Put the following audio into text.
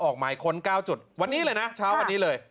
ออกหมายค้น๙จุดวันนี้เลยนะเช้าวันนี้เลย